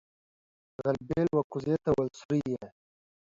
چغول و کوزې ته ويل سورۍ.